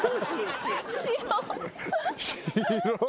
白っ。